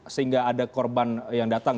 sehingga ada korban yang datang